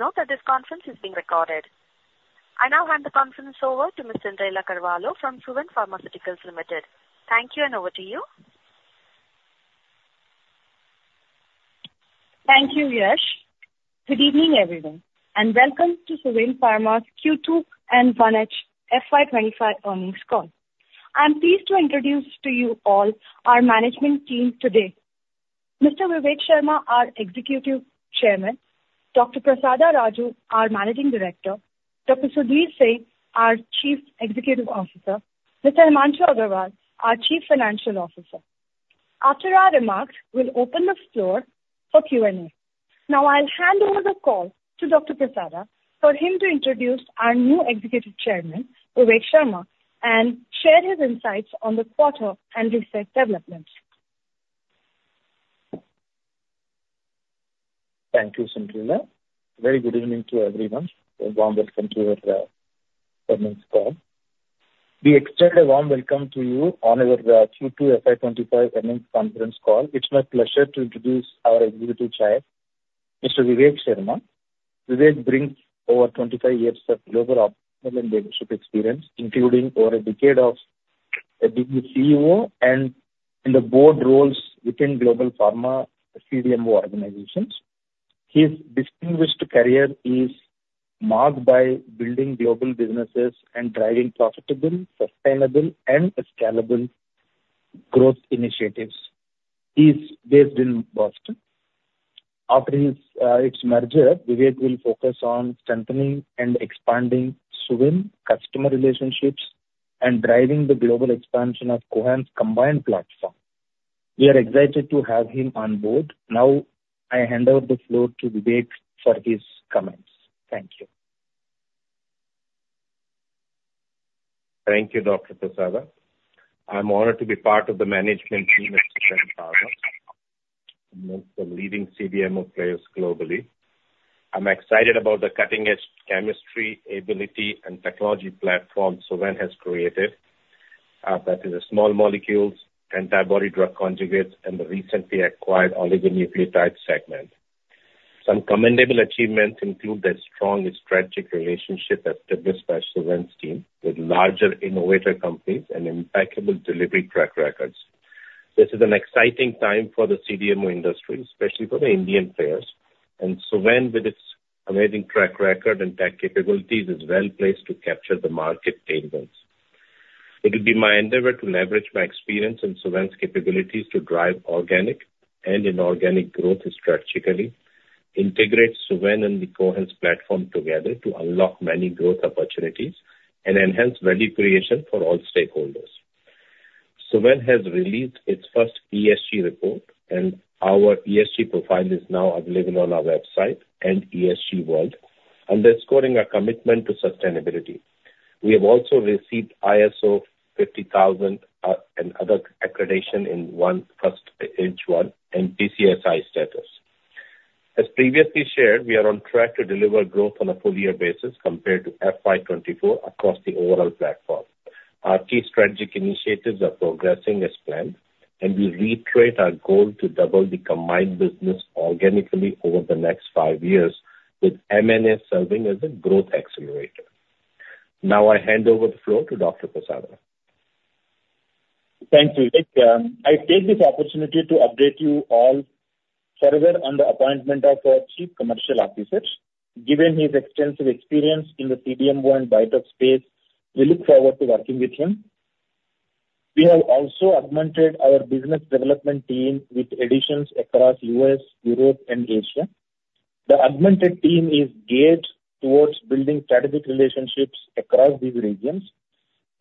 Please note that this conference is being recorded. I now hand the conference over to Ms. Cyndrella Carvalho from Suvin Pharmaceuticals Limited. Thank you, and over to you. Thank you, Yash. Good evening, everyone, and welcome to Suvin Pharmaceuticals' Q2 and 1H FY 2025 earnings call. I'm pleased to introduce to you all our management team today. Mr. Vivek Sharma, our Executive Chairman, Dr. Prasada Raju, our Managing Director, Dr. Sudhir Singh, our Chief Executive Officer, Mr. Himanshu Agarwal, our Chief Financial Officer. After our remarks, we'll open the floor for Q&A. Now, I'll hand over the call to Dr. Prasada for him to introduce our new Executive Chairman, Vivek Sharma, and share his insights on the quarter and research developments. Thank you, Cyndrella. Very good evening to everyone. A warm welcome to your earnings call. We extend a warm welcome to you on our Q2 FY 2025 earnings conference call. It's my pleasure to introduce our Executive Chair, Mr. Vivek Sharma. Vivek brings over 25 years of global entrepreneurship experience, including over a decade as a CEO and in the board roles within global pharma CDMO organizations. His distinguished career is marked by building global businesses and driving profitable, sustainable, and scalable growth initiatives. He's based in Boston. After its merger, Vivek will focus on strengthening and expanding Suvin customer relationships and driving the global expansion of Cohance's combined platform. We are excited to have him on board. Now, I hand over the floor to Vivek for his comments. Thank you. Thank you Dr. Prasada. I'm honored to be part of the management team at Suvin Pharma, amongst the leading CDMO players globally. I'm excited about the cutting-edge chemistry, ability, and technology platform Suvin has created, that is, the small molecules, antibody drug conjugates, and the recently acquired oligonucleotide segment. Some commendable achievements include their strong strategic relationship as established by Suvin's team with larger innovator companies and impeccable delivery track records. This is an exciting time for the CDMO industry, especially for the Indian players, and Suvin, with its amazing track record and tech capabilities, is well placed to capture the market cadence. It would be my endeavor to leverage my experience and Suvin's capabilities to drive organic and inorganic growth strategically, integrate Suvin and the Cohance platform together to unlock many growth opportunities, and enhance value creation for all stakeholders. Suvin has released its first ESG report, and our ESG profile is now available on our website and ESG World, underscoring our commitment to sustainability. We have also received ISO 50001 and other accreditation in one first hedge fund and PCSI status. As previously shared, we are on track to deliver growth on a full-year basis compared to FY 2024 across the overall platform. Our key strategic initiatives are progressing as planned, and we reiterate our goal to double the combined business organically over the next five years, with M&A serving as a growth accelerator. Now, I hand over the floor to Dr. Prasada. Thank you, Vivek. I take this opportunity to update you all further on the appointment of our Chief Commercial Officer. Given his extensive experience in the CDMO and biotech space, we look forward to working with him. We have also augmented our business development team with additions across the U.S., Europe, and Asia. The augmented team is geared towards building strategic relationships across these regions.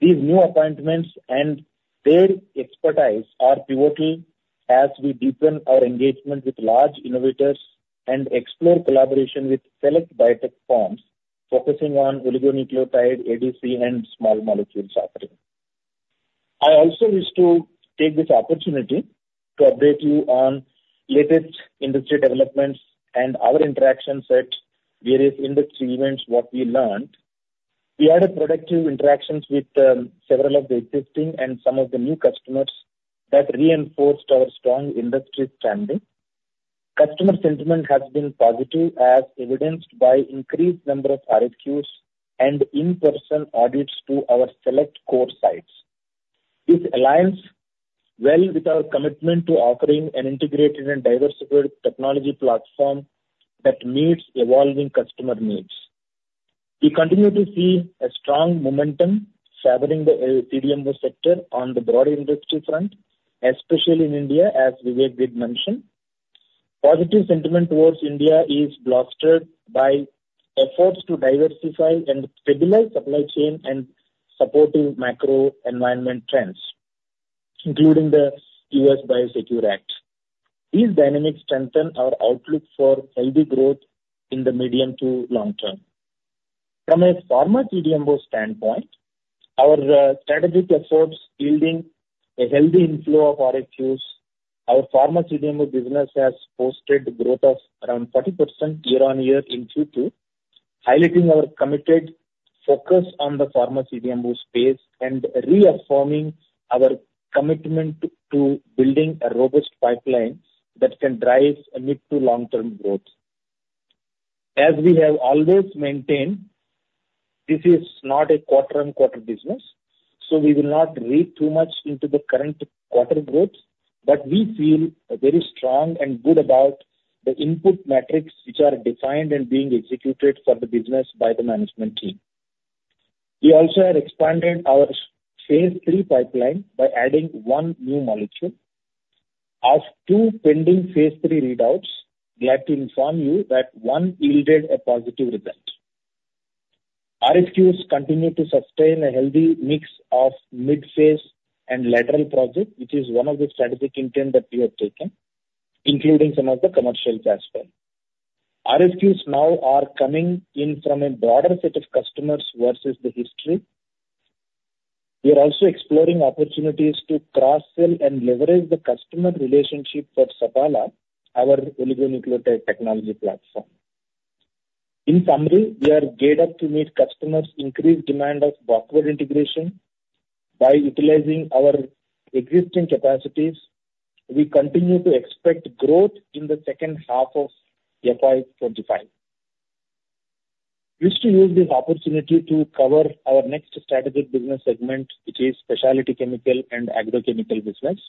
These new appointments and their expertise are pivotal as we deepen our engagement with large innovators and explore collaboration with select biotech firms focusing on oligonucleotide, ADC, and small molecules offering. I also wish to take this opportunity to update you on latest industry developments and our interactions at various industry events, what we learned. We had productive interactions with several of the existing and some of the new customers that reinforced our strong industry standing. Customer sentiment has been positive, as evidenced by the increased number of RFQs and in-person audits to our select core sites. This aligns well with our commitment to offering an integrated and diversified technology platform that meets evolving customer needs. We continue to see a strong momentum favoring the CDMO sector on the broader industry front, especially in India, as Vivek did mention. Positive sentiment towards India is bolstered by efforts to diversify and stabilize supply chain and supportive macro-environment trends, including the U.S. Biosecure Act. These dynamics strengthen our outlook for healthy growth in the medium to long term. From a pharma CDMO standpoint, our strategic efforts are yielding a healthy inflow of RFQs. Our pharma CDMO business has posted growth of around 40% year-on-year in Q2, highlighting our committed focus on the pharma CDMO space and reaffirming our commitment to building a robust pipeline that can drive mid-to-long-term growth. As we have always maintained, this is not a quarter-on-quarter business, so we will not read too much into the current quarter growth, but we feel very strong and good about the input metrics which are defined and being executed for the business by the management team. We also have expanded our phase III pipeline by adding one new molecule. Of two pending phase III readouts, glad to inform you that one yielded a positive result. RFQs continue to sustain a healthy mix of mid-phase and lateral projects, which is one of the strategic intents that we have taken, including some of the commercials as well. RFQs now are coming in from a broader set of customers versus the history. We are also exploring opportunities to cross-sell and leverage the customer relationship for Sapala, our oligonucleotide technology platform. In summary, we are geared up to meet customers' increased demand of backward integration. By utilizing our existing capacities, we continue to expect growth in the second half of FY 2025. Wish to use this opportunity to cover our next strategic business segment, which is specialty chemical and agrochemical business.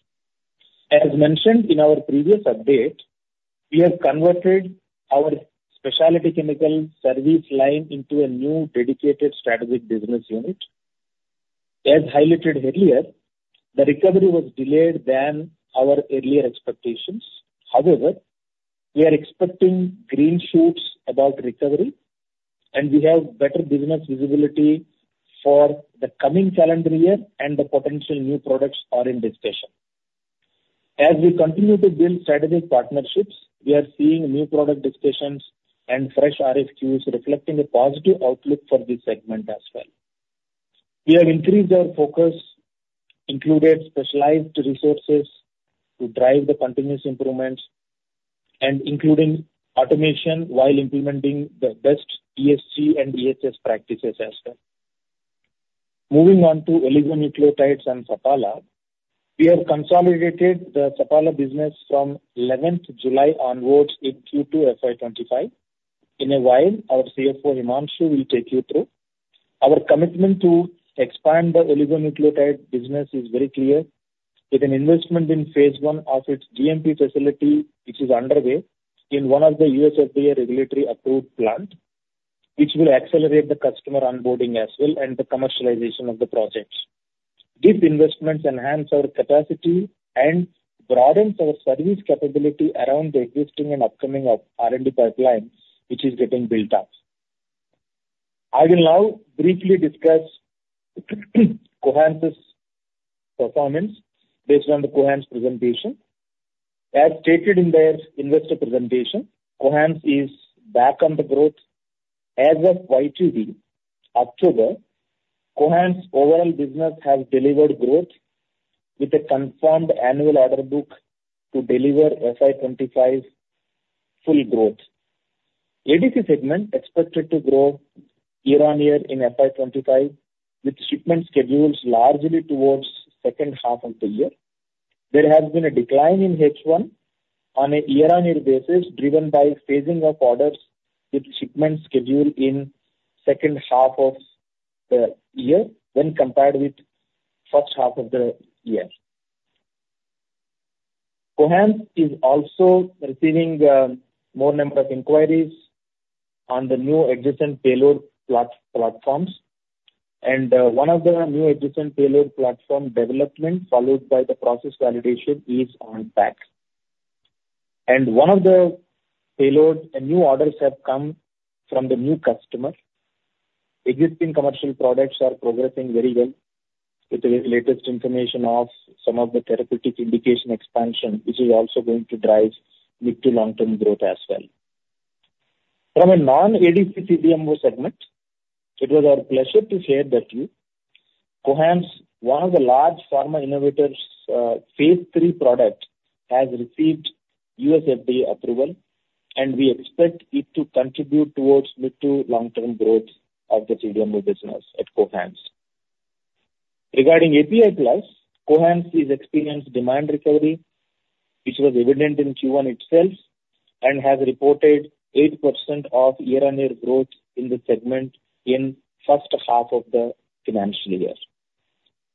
As mentioned in our previous update, we have converted our specialty chemical service line into a new dedicated strategic business unit. As highlighted earlier, the recovery was delayed than our earlier expectations. However, we are expecting green shoots about recovery, and we have better business visibility for the coming calendar year, and the potential new products are in discussion. As we continue to build strategic partnerships, we are seeing new product discussions and fresh RFQs reflecting a positive outlook for this segment as well. We have increased our focus, included specialized resources to drive the continuous improvements, and including automation while implementing the best ESG and EHS practices as well. Moving on to oligonucleotides and Sapala, we have consolidated the Sapala business from 11th July onwards in Q2 FY 2025. In a while, our CFO, Himanshu, will take you through. Our commitment to expand the oligonucleotide business is very clear, with an investment in phase I of its GMP facility, which is underway in one of the USFDA regulatory-approved plants, which will accelerate the customer onboarding as well and the commercialization of the projects. These investments enhance our capacity and broaden our service capability around the existing and upcoming R&D pipeline, which is getting built up. I will now briefly discuss Cohance's performance based on the Cohance presentation. As stated in their investor presentation, Cohance is back on the growth. As of YTD October, Cohance's overall business has delivered growth with a confirmed annual order book to deliver FY 2025 full growth. ADC segment expected to grow year-on-year in FY 2025, with shipment schedules largely towards the second half of the year. There has been a decline in H1 on a year-on-year basis, driven by phasing of orders with shipment schedule in the second half of the year when compared with the first half of the year. Cohance is also receiving more number of inquiries on the new existing payload platforms, and one of the new existing payload platform developments, followed by the process validation, is on PAT, and one of the payload new orders has come from the new customer. Existing commercial products are progressing very well with the latest information of some of the therapeutic indication expansion, which is also going to drive mid-to-long-term growth as well. From a non-ADC CDMO segment, it was our pleasure to share that Cohance, one of the large pharma innovators' phase III product, has received USFDA approval, and we expect it to contribute towards mid-to-long-term growth of the CDMO business at Cohance. Regarding API Plus, Cohance is experiencing demand recovery, which was evident in Q1 itself, and has reported 8% of year-on-year growth in the segment in the first half of the financial year.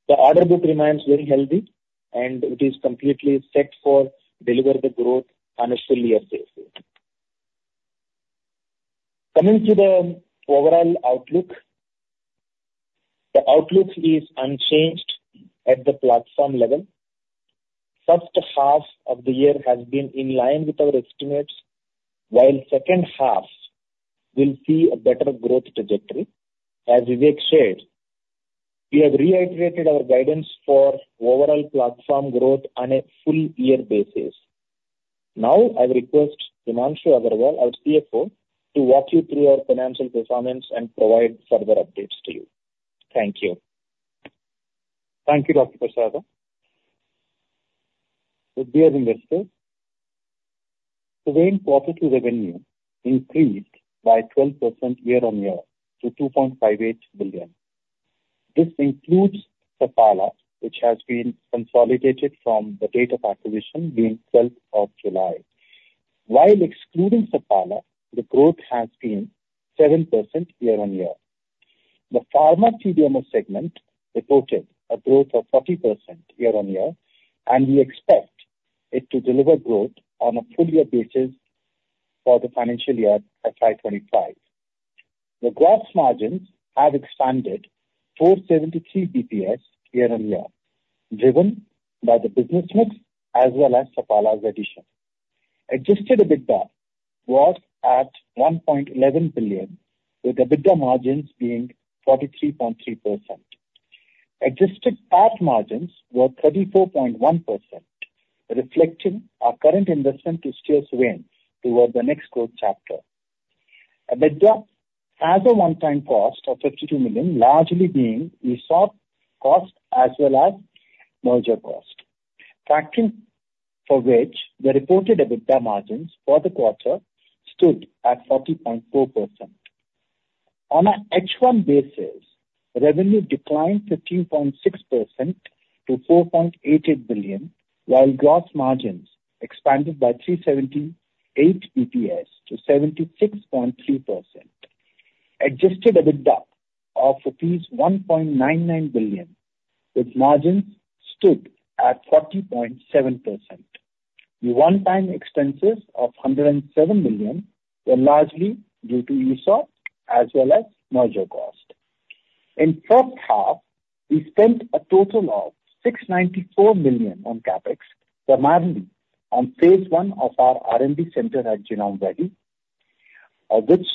The order book remains very healthy, and it is completely set for delivering the growth on a full-year basis. Coming to the overall outlook, the outlook is unchanged at the platform level. The first half of the year has been in line with our estimates, while the second half will see a better growth trajectory. As Vivek shared, we have reiterated our guidance for overall platform growth on a full-year basis. Now, I will request Himanshu Agarwal, our CFO, to walk you through our financial performance and provide further updates to you. Thank you. Thank you Dr. Prasada. Dear investors, Suvin's profit revenue increased by 12% year-on-year to 2.58 billion. This includes Sapala, which has been consolidated from the date of acquisition being 12th of July. While excluding Sapala, the growth has been 7% year-on-year. The pharma CDMO segment reported a growth of 40% year-on-year, and we expect it to deliver growth on a full-year basis for the financial year FY 2025. The gross margins have expanded 473 basis points year-on-year, driven by the business mix as well as Sapala's addition. Existing EBITDA was at 1.11 billion, with EBITDA margins being 43.3%. Existing PAT margins were 34.1%, reflecting our current investment to steer Suvin towards the next growth chapter. EBITDA has a one-time cost of 52 million, largely being ESOP cost as well as merger cost, factoring for which the reported EBITDA margins for the quarter stood at 40.4%. On an H1 basis, revenue declined 15.6% to 4.88 billion, while gross margins expanded by 378 basis points to 76.3%. Existing EBITDA of rupees 1.99 billion, with margins stood at 40.7%. The one-time expenses of 107 million were largely due to ESOP as well as merger cost. In the first half, we spent a total of 694 million on CapEx primarily on Phase I of our R&D center at Genome Valley, of which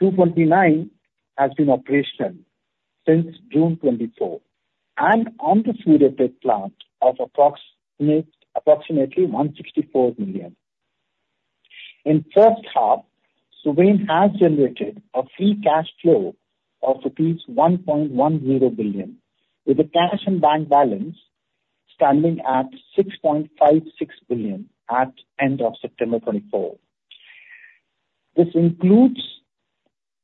229 has been operational since June 2024, and on the effluent treatment plant of approximately 164 million. In the first half, Suvin has generated a free cash flow of rupees 1.10 billion, with the cash and bank balance standing at 6.56 billion at the end of September 2024. This includes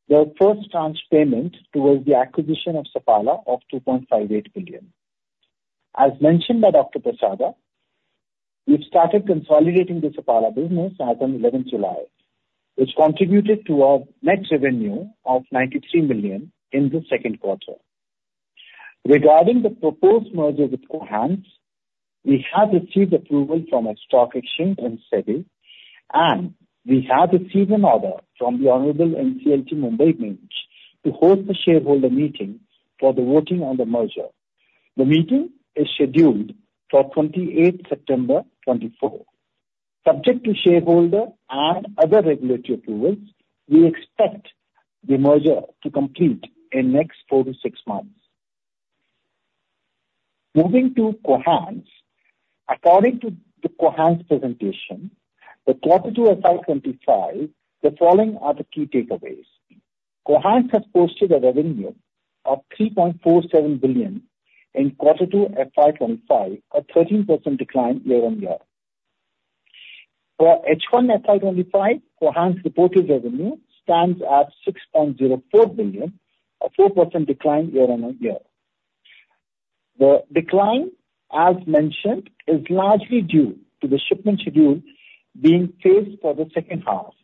the first tranche payment towards the acquisition of Sapala of 2.58 billion. As mentioned by Dr. Prasada, we've started consolidating the Sapala business as of 11th July, which contributed to our net revenue of 93 million in the second quarter. Regarding the proposed merger with Cohance, we have received approval from our stock exchange and SEBI, and we have received an order from the Honorable NCLT Mumbai Bench to host a shareholder meeting for the voting on the merger. The meeting is scheduled for 28th September 2024. Subject to shareholder and other regulatory approvals, we expect the merger to complete in the next four to six months. Moving to Cohance, according to Cohance's presentation, the quarter to FY 2025, the following are the key takeaways. Cohance has posted a revenue of 3.47 billion in quarter to FY 2025, a 13% decline year-on-year. For H1 FY 2025, Cohance's reported revenue stands at 6.04 billion, a 4% decline year-on-year. The decline, as mentioned, is largely due to the shipment schedule being phased for the second half.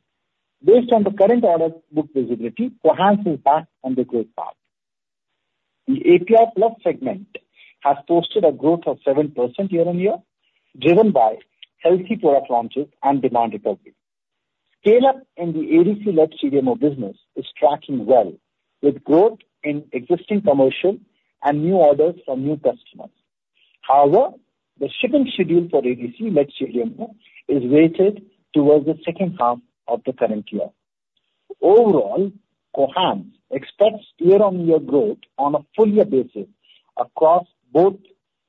Based on the current order book visibility, Cohance is back on the growth path. The API Plus segment has posted a growth of 7% year-on-year, driven by healthy product launches and demand recovery. Scale-up in the ADC-led CDMO business is tracking well, with growth in existing commercial and new orders from new customers. However, the shipment schedule for ADC-led CDMO is weighted towards the second half of the current year. Overall, Cohance expects year-on-year growth on a full-year basis across both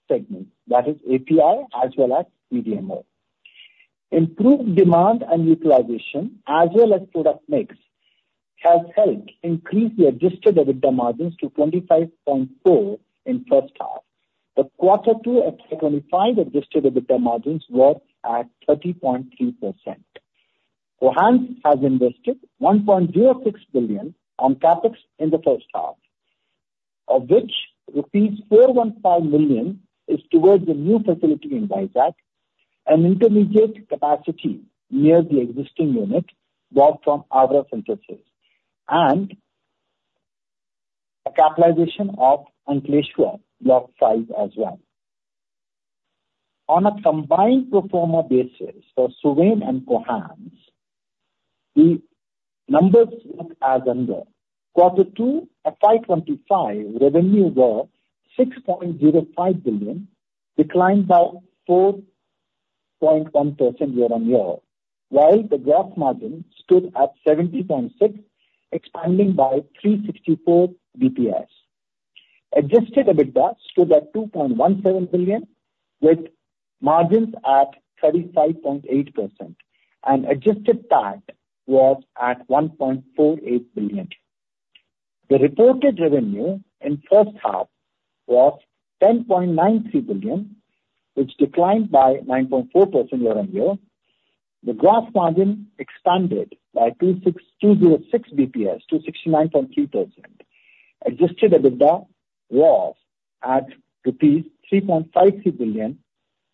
segments, that is API as well as CDMO. Improved demand and utilization, as well as product mix, has helped increase the existing EBITDA margins to 25.4% in the first half. The quarter to FY 2025 existing EBITDA margins were at 30.3%. Cohance has invested 1.06 billion on CapEx in the first half, of which rupees 415 million is towards a new facility in Visakhapatnam, an intermediate capacity near the existing unit bought from Avra Synthesis, and a capitalization of Ankleshwar Block 5 as well. On a combined pro forma basis for Suvin and Cohance, the numbers look as under: quarter to FY 2025, revenues were INR 6.05 billion, declined by 4.1% year-on-year, while the gross margin stood at 70.6%, expanding by 364 basis points. Existing EBITDA stood at 2.17 billion, with margins at 35.8%, and existing PAT was at 1.48 billion. The reported revenue in the first half was 10.93 billion, which declined by 9.4% year-on-year. The gross margin expanded by 206 basis points to 69.3%. Existing EBITDA was at rupees 3.53 billion,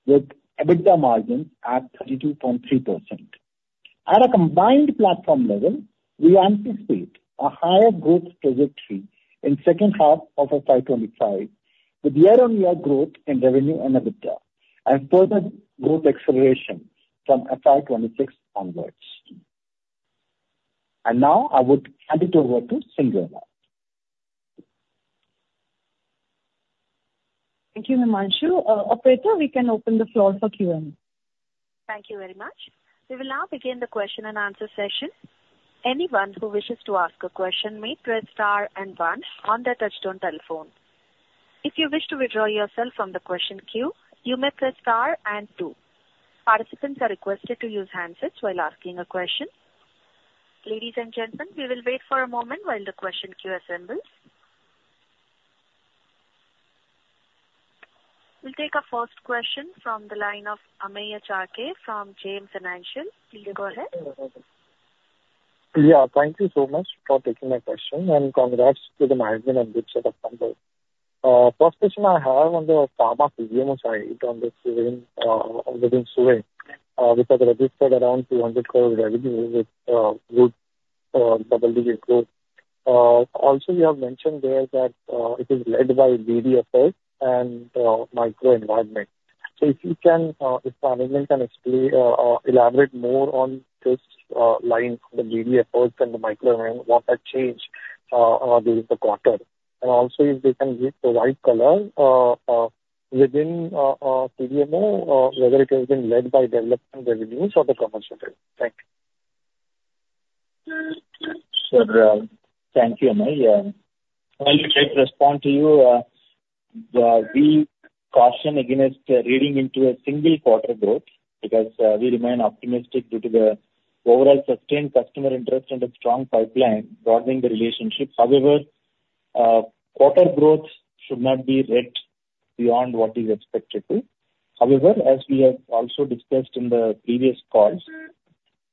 with EBITDA margins at 32.3%. At a combined platform level, we anticipate a higher growth trajectory in the second half of FY25, with year-on-year growth in revenue and EBITDA, and further growth acceleration from FY26 onwards. Now, I would hand it over to Cyndrella. Thank you, Himanshu. Operator, we can open the floor for Q&A. Thank you very much. We will now begin the question and answer session. Anyone who wishes to ask a question may press star and one on the touch-tone telephone. If you wish to withdraw yourself from the question queue, you may press star and two. Participants are requested to use handsets while asking a question. Ladies and gentlemen, we will wait for a moment while the question queue assembles. We'll take our first question from the line of Amey Chalke from JM Financial. Please go ahead. Yeah, thank you so much for taking my question, and congrats to the management and good set of numbers. First question I have on the pharma CDMO side on the Suvin within Suvin, which has registered around 200 crore revenue with good double-digit growth. Also, we have mentioned there that it is led by BD efforts and micro-environment. So if you can, if management can elaborate more on this line of the BD efforts and the micro-environment, what has changed during the quarter, and also if they can give the color within CDMO, whether it has been led by development revenues or the commercial growth? Thank you. Sure, thank you, Amey. I'll try to respond to you. We caution against reading into a single quarter growth because we remain optimistic due to the overall sustained customer interest and a strong pipeline broadening the relationship. However, quarter growth should not be read beyond what is expected to. However, as we have also discussed in the previous calls,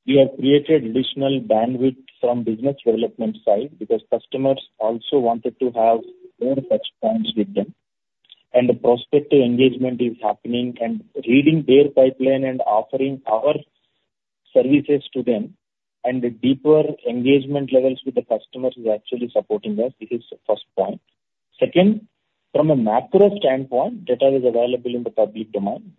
we have created additional bandwidth from the business development side because customers also wanted to have more touchpoints with them, and the prospective engagement is happening, and reading their pipeline and offering our services to them and deeper engagement levels with the customers is actually supporting us. This is the first point. Second, from a macro standpoint, data is available in the public domain.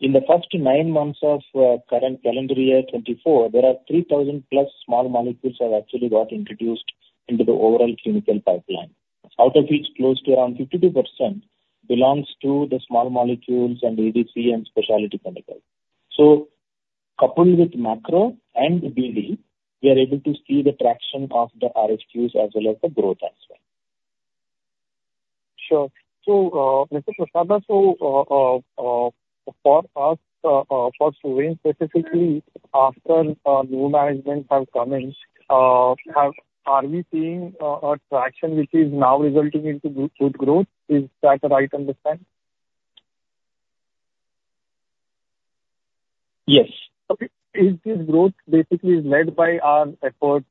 In the first nine months of the current calendar year 2024, there are 3,000 plus small molecules that have actually got introduced into the overall clinical pipeline, out of which close to around 52% belongs to the small molecules and ADC and specialty chemicals. So coupled with macro and BD, we are able to see the traction of the RFQs as well as the growth as well. Sure. So, Mr. Prasada, for us, for Suvin specifically, after new management has come in, are we seeing traction which is now resulting in good growth? Is that right, understand? Yes. Okay. Is this growth basically led by our efforts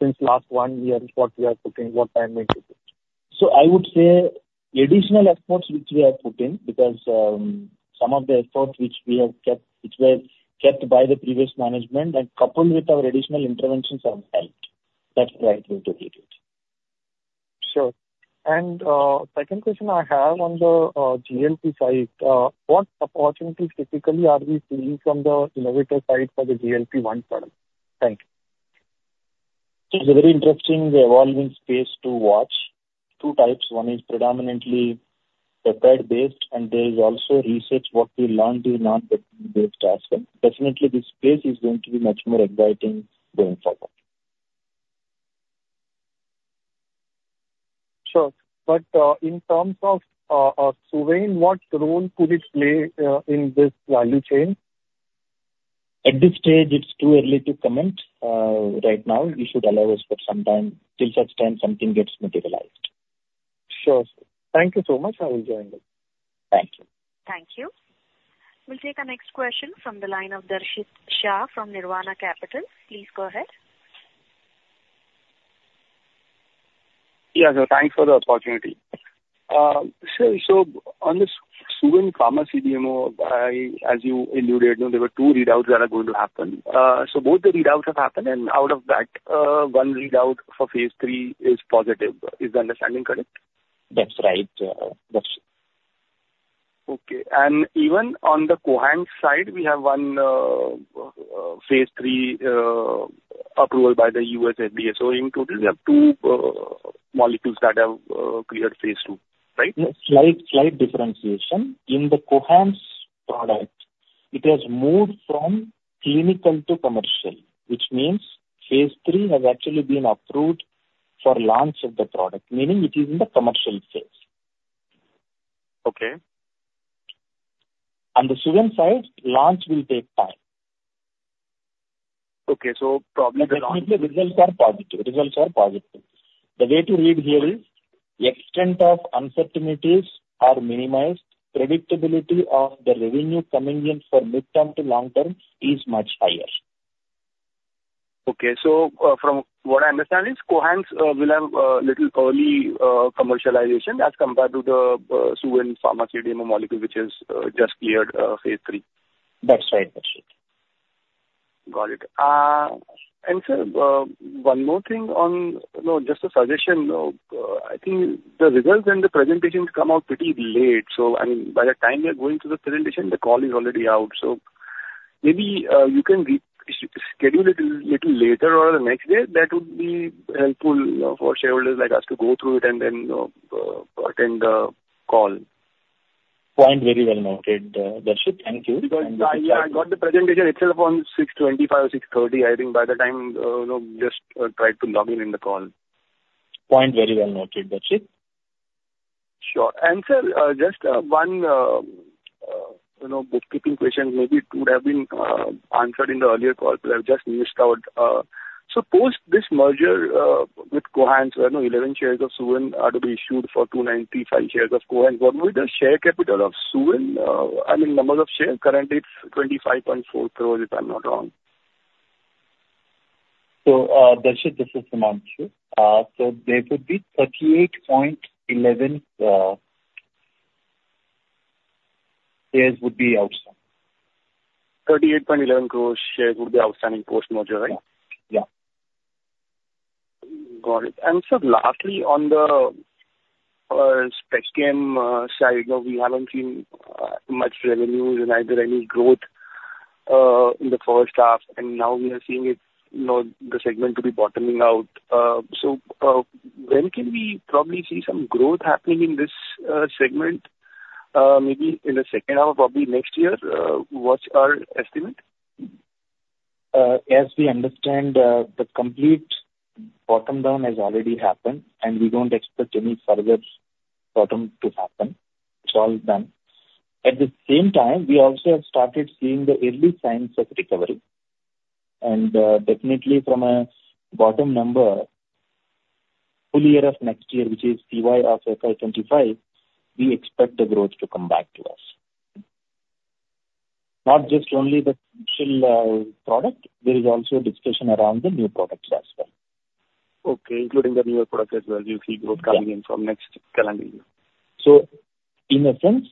since last one year? What we are putting, what management is doing? So I would say the additional efforts which we are putting because some of the efforts which we have kept, which were kept by the previous management, and coupled with our additional interventions have helped. That's the right way to read it. Sure, and second question I have on the GLP side, what opportunities typically are we seeing from the innovator side for the GLP-1 product? Thank you. So it's a very interesting evolving space to watch. Two types. One is predominantly peptide-based, and there is also research. What we learned is not peptide-based as well. Definitely, this space is going to be much more exciting going forward. Sure. But in terms of Suvin, what role could it play in this value chain? At this stage, it's too early to comment right now. You should allow us for some time. Till such time, something gets materialized. Sure. Thank you so much. I will join them. Thank you. Thank you. We'll take our next question from the line of Darshit Shah from Nirvana Capital. Please go ahead. Yeah, so thanks for the opportunity. So on this Suvin Pharma CDMO, as you alluded, there were two readouts that are going to happen. So both the readouts have happened, and out of that, one readout for phase III is positive. Is the understanding correct? That's right. That's true. Even on the Cohance side, we have one phase III approval by the USFDA. In total, we have two molecules that have cleared phase II, right? Yes, slight differentiation. In the Cohance product, it has moved from clinical to commercial, which means phase III has actually been approved for launch of the product, meaning it is in the commercial phase. Okay. On the Suvin side, launch will take time. Okay, so probably the launch... But definitely, results are positive. Results are positive. The way to read here is the extent of uncertainties are minimized. Predictability of the revenue coming in for mid-term to long-term is much higher. From what I understand is Cohance will have a little early commercialization as compared to the Suvin Pharma CDMO molecule, which has just cleared phase III. That's right. That's right. Got it. And sir, one more thing on just a suggestion. I think the results and the presentations come out pretty late. So I mean, by the time we are going to the presentation, the call is already out. So maybe you can schedule it a little later or the next day. That would be helpful for shareholders like us to go through it and then attend the call. Point very well noted, Darshit. Thank you. Because I got the presentation itself on 6:25 P.M. or 6:30 P.M., I think, by the time I just tried to log in to the call. Point very well noted. That's it. Sure. And sir, just one bookkeeping question, maybe it would have been answered in the earlier call, but I've just missed out. Suppose this merger with Cohance, 11 shares of Suvin are to be issued for 295 shares of Cohance. What would be the share capital of Suvin? I mean, number of shares? Currently, it's 25.4 crore, if I'm not wrong. Darshit, this is Himanshu. There would be 38.11 crore shares outstanding. 38.11 crore shares would be outstanding post-merger, right? Yeah. Got it. Sir, lastly, on the spec chem side, we haven't seen much revenue or any growth in the first half, and now we are seeing the segment to be bottoming out. So when can we probably see some growth happening in this segment? Maybe in the second half of probably next year. What's our estimate? As we understand, the complete bottoming out has already happened, and we don't expect any further bottoming out to happen. It's all done. At the same time, we also have started seeing the early signs of recovery. And definitely, from a bottom number, full year of next year, which is CY of FY 2025, we expect the growth to come back to us. Not just only the commercial product, there is also discussion around the new products as well. Okay. Including the newer product as well, you see growth coming in from next calendar year. In a sense,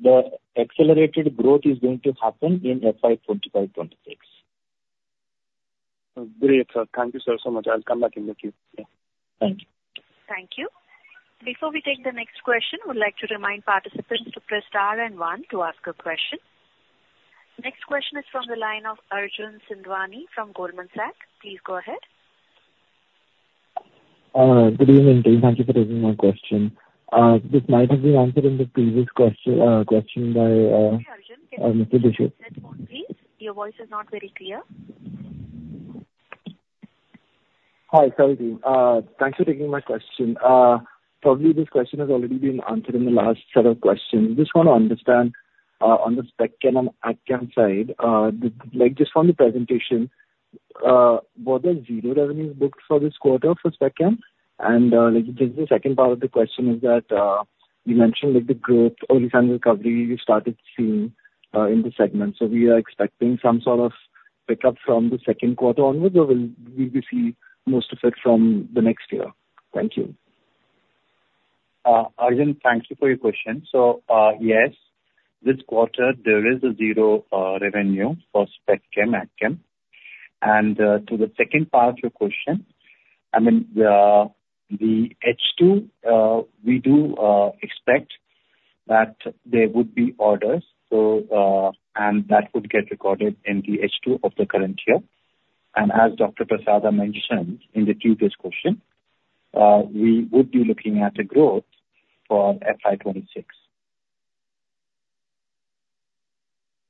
the accelerated growth is going to happen in FY 2025-2026. Great. Thank you, sir, so much. I'll come back in the queue. Thank you. Thank you. Before we take the next question, we'd like to remind participants to press star and one to ask a question. Next question is from the line of Arjun Sindwani from Goldman Sachs. Please go ahead. Good evening, team. Thank you for taking my question. This might have been answered in the previous question by Mr. Darshit. Okay, Arjun, can you please? Your voice is not very clear. Hi, sorry, team. Thanks for taking my question. Probably this question has already been answered in the last set of questions. I just want to understand on the spec chem side, just from the presentation, were there zero revenues booked for this quarter for spec chem? And just the second part of the question is that you mentioned the growth, early signs of recovery you started seeing in the segment. So we are expecting some sort of pickup from the second quarter onwards, or will we see most of it from the next year? Thank you. Arjun, thank you for your question. So yes, this quarter, there is a zero revenue for spec cam and cam. And to the second part of your question, I mean, the H2, we do expect that there would be orders, and that would get recorded in the H2 of the current year. And as Dr. Prasada mentioned in the previous question, we would be looking at a growth for FY 2026.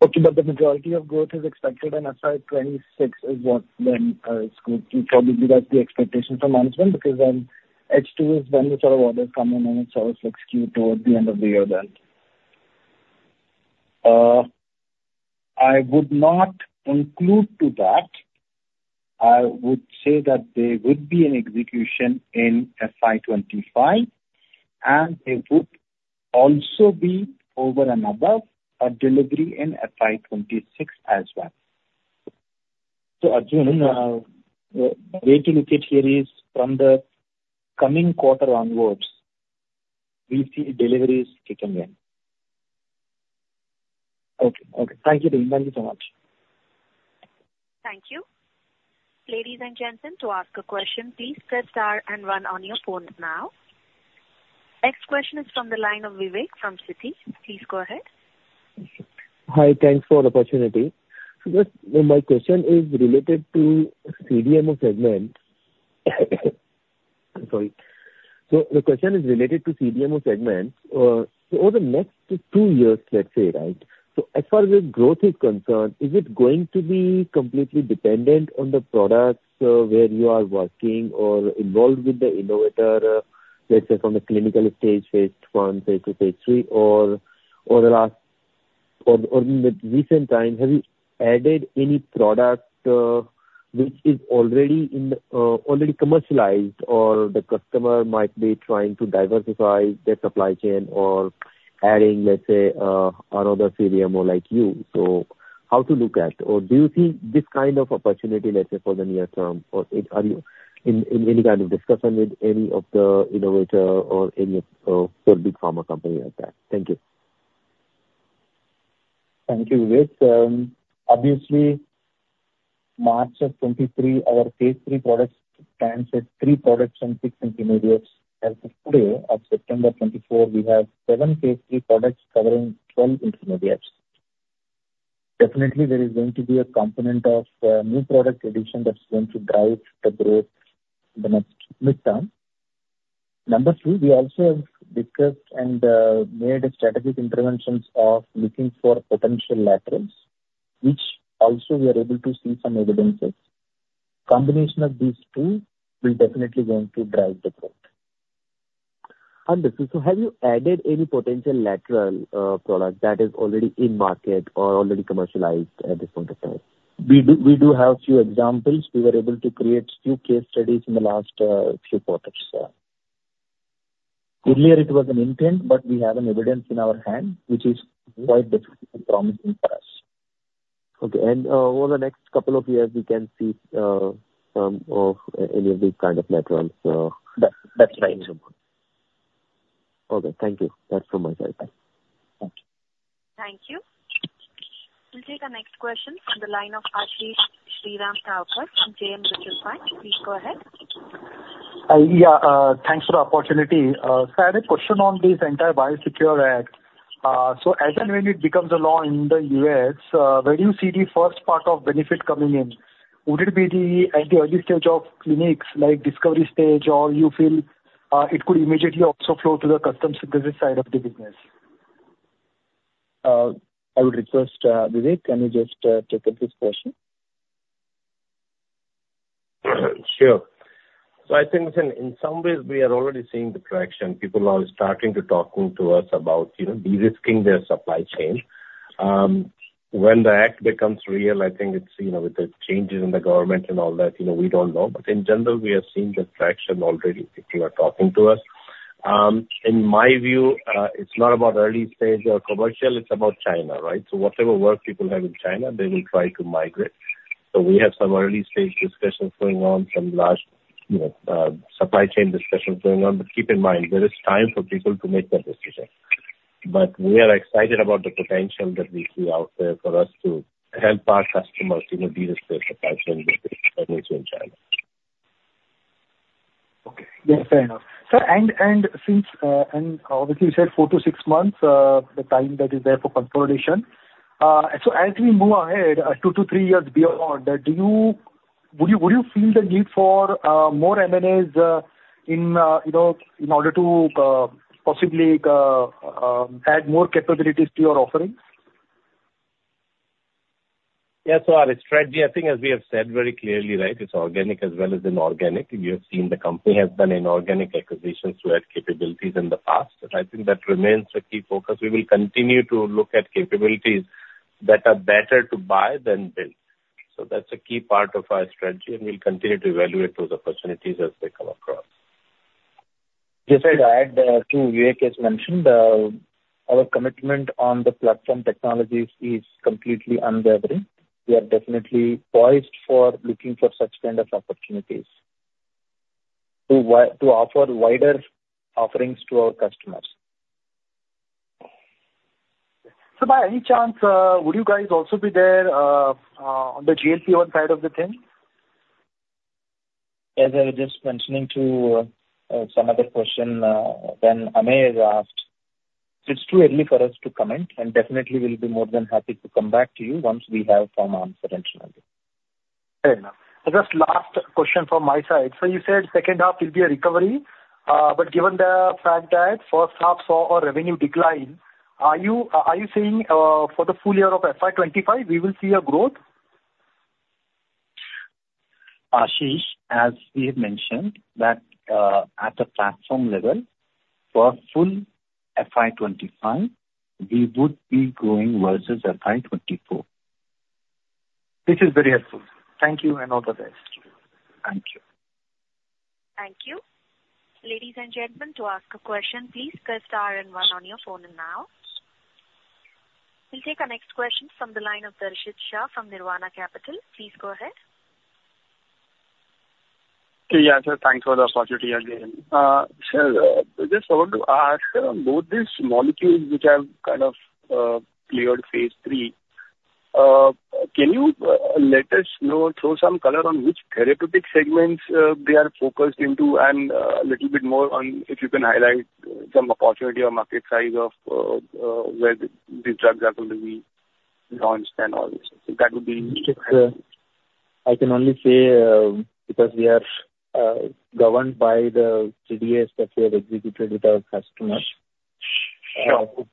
Okay. But the majority of growth is expected in FY 2026 is what then is good. Probably that's the expectation from management because then H2 is when the sort of orders come in, and it's always skewed towards the end of the year then. I would not conclude to that. I would say that there would be an execution in FY25, and there would also be over and above a delivery in FY26 as well. So Arjun, the way to look at here is from the coming quarter onwards, we see deliveries kicking in. Okay. Okay. Thank you, team. Thank you so much. Thank you. Ladies and gentlemen, to ask a question, please press star and one on your phone now. Next question is from the line of Vivek from Citi. Please go ahead. Hi, thanks for the opportunity. So my question is related to CDMO segment. Sorry. So the question is related to CDMO segment. So over the next two years, let's say, right? So as far as the growth is concerned, is it going to be completely dependent on the products where you are working or involved with the innovator, let's say from the clinical stage, phase I, phase II, phase III, or the recent time, have you added any product which is already commercialized, or the customer might be trying to diversify their supply chain or adding, let's say, another CDMO like you? So how to look at it? Or do you see this kind of opportunity, let's say, for the near term? Or are you in any kind of discussion with any of the innovator or any of the big pharma companies like that? Thank you. Thank you Vivek. Obviously, March of 2023, our phase III products stands at three products and six intermediates. As of today, September 24, we have seven phase III products covering 12 intermediates. Definitely, there is going to be a component of new product addition that's going to drive the growth in the next midterm. Number two, we also have discussed and made strategic interventions of looking for potential laterals, which also we are able to see some evidences. Combination of these two will definitely going to drive the growth. Understood. So have you added any potential lateral product that is already in market or already commercialized at this point of time? We do have a few examples. We were able to create a few case studies in the last few quarters. Earlier, it was an intent, but we have an evidence in our hand, which is quite promising for us. Okay. And over the next couple of years, we can see some of any of these kind of laterals. That's right. Okay. Thank you. That's from my side. Thank you. Thank you. We'll take our next question from the line of Ashish Thavkar from JM Financial Mutual Fund. Please go ahead. Yeah. Thanks for the opportunity. So I had a question on this entire Biosecure Act. So as and when it becomes a law in the U.S., where do you see the first part of benefit coming in? Would it be at the early stage of clinicals, like discovery stage, or you feel it could immediately also flow to the custom synthesis side of the business? I would request Vivek, can you just take up this question? Sure. So I think in some ways, we are already seeing the traction. People are starting to talk to us about de-risking their supply chain. When the act becomes real, I think with the changes in the government and all that, we don't know. But in general, we have seen the traction already. People are talking to us. In my view, it's not about early stage or commercial. It's about China, right? So whatever work people have in China, they will try to migrate. So we have some early stage discussions going on, some large supply chain discussions going on. But keep in mind, there is time for people to make their decision. But we are excited about the potential that we see out there for us to help our customers de-risk their supply chain with the technology in China. Okay. Yes, fair enough. And since obviously, you said four to six months, the time that is there for consolidation. So as we move ahead two to three years beyond, would you feel the need for more M&As in order to possibly add more capabilities to your offering? Yes, so our strategy, I think, as we have said very clearly, right, it's organic as well as inorganic. You have seen the company has done inorganic acquisitions to add capabilities in the past. I think that remains a key focus. We will continue to look at capabilities that are better to buy than build, so that's a key part of our strategy, and we'll continue to evaluate those opportunities as they come across. Just to add to Vivek's mention, our commitment on the platform technologies is completely unwavering. We are definitely poised for looking for such kind of opportunities to offer wider offerings to our customers. So by any chance, would you guys also be there on the GLP-1 side of the thing? As I was just mentioning to some other question when Amey asked, it's too early for us to comment, and definitely, we'll be more than happy to come back to you once we have some answer, internally. Fair enough. So just last question from my side. So you said second half will be a recovery, but given the fact that first half saw a revenue decline, are you saying for the full year of FY25, we will see a growth? Ashish, as we have mentioned, that at the platform level, for full FY 2025, we would be growing versus FY 2024. This is very helpful. Thank you and all the best. Thank you. Thank you. Ladies and gentlemen, to ask a question, please press star and one on your phone now. We'll take our next question from the line of Darshit Shah from Nirvana Capital. Please go ahead. Yeah. Thanks for the opportunity again. Sir, just I want to ask, both these molecules which have kind of cleared phase III, can you let us know and throw some color on which therapeutic segments they are focused into and a little bit more on if you can highlight some opportunity or market size of where these drugs are going to be launched and all this? That would be. I can only say because we are governed by the CDAs that we have executed with our customers.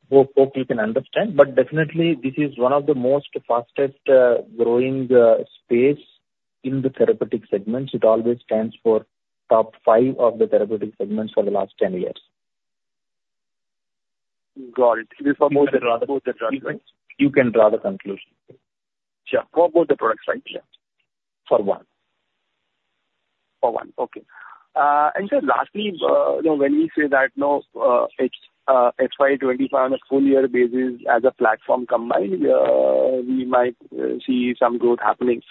Hope you can understand. But definitely, this is one of the most fastest growing space in the therapeutic segments. It always stands for top five of the therapeutic segments for the last 10 years. Got it. Both the drugs. You can draw the conclusion. Yeah. For both the products, right? Yeah. For one. For one. Okay. And just lastly, when we say that FY 2025 on a full year basis as a platform combined, we might see some growth happening.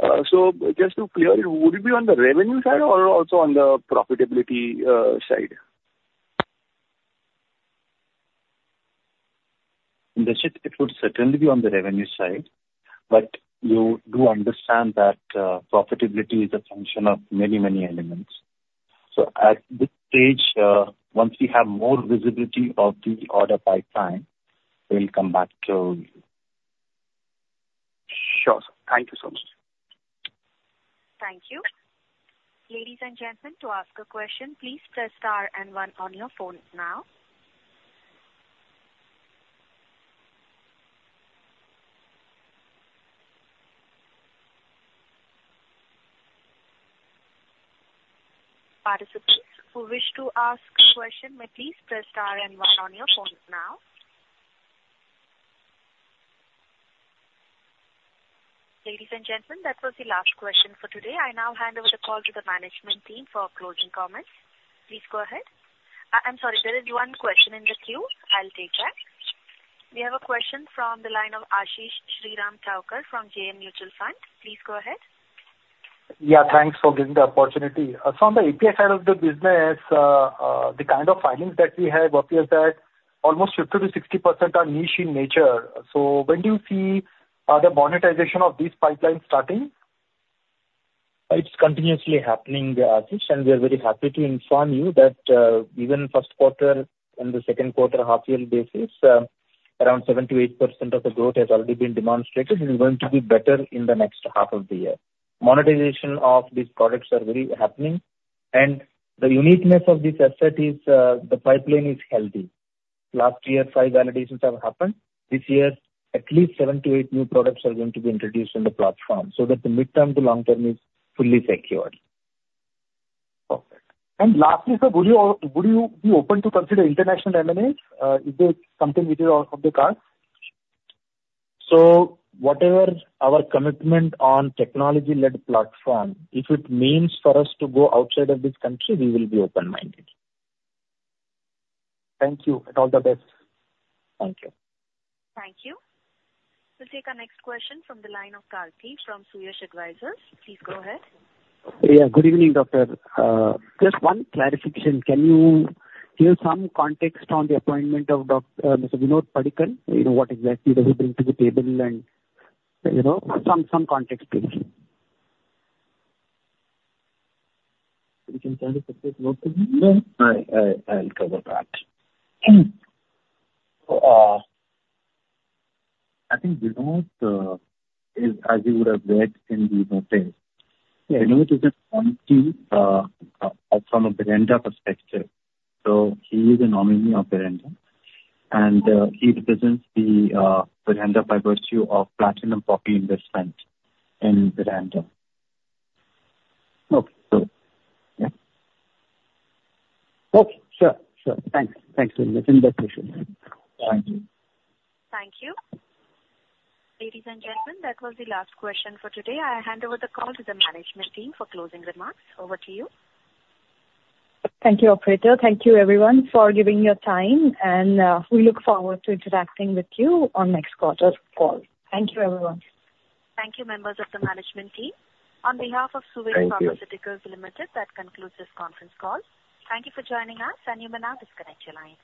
So just to clear it, would it be on the revenue side or also on the profitability side? Darshit, it would certainly be on the revenue side, but you do understand that profitability is a function of many, many elements. So at this stage, once we have more visibility of the order pipeline, we'll come back to. Sure. Thank you so much. Thank you. Ladies and gentlemen, to ask a question, please press star and one on your phone now. Participants who wish to ask a question, may please press star and one on your phone now. Ladies and gentlemen, that was the last question for today. I now hand over the call to the management team for closing comments. Please go ahead. I'm sorry. There is one question in the queue. I'll take that. We have a question from the line of Ashish Thavkar from JM Financial Mutual Fund. Please go ahead. Yeah. Thanks for giving the opportunity. So on the API side of the business, the kind of findings that we have appear that almost 50%-60% are niche in nature. So when do you see the monetization of these pipelines starting? It's continuously happening, Ashish, and we are very happy to inform you that even first quarter and the second quarter half-year basis, around 7%-8% of the growth has already been demonstrated and is going to be better in the next half of the year. Monetization of these products are very happening, and the uniqueness of this asset is the pipeline is healthy. Last year, five validations have happened. This year, at least seven to eight new products are going to be introduced on the platform so that the midterm to long term is fully secured. Perfect. And lastly, sir, would you be open to consider international M&As? Is this something which is out of the cards? So whatever our commitment on technology-led platform, if it means for us to go outside of this country, we will be open-minded. Thank you. And all the best. Thank you. Thank you. We'll take our next question from the line of Karthik from Suyash Advisors. Please go ahead. Yeah. Good evening, Doctor. Just one clarification. Can you give some context on the appointment of Mr. Vinod Padikkal? What exactly does he bring to the table? And some context, please. We can try to put this note in. I'll cover that. I think Vinod, as you would have read in the notice, Vinod is a nominee from a Berhyanda perspective. So he is a nominee of Berhyanda, and he represents Berhyanda by virtue of Advent's equity investment in Berhyanda. Okay. Sure. Thanks for making that decision. Thank you. Thank you. Ladies and gentlemen, that was the last question for today. I hand over the call to the management team for closing remarks. Over to you. Thank you, Operator. Thank you, everyone, for giving your time, and we look forward to interacting with you on next quarter call. Thank you, everyone. Thank you, members of the management team. On behalf of Suvin Pharmaceuticals Limited, that concludes this conference call. Thank you for joining us, and you may now disconnect your line.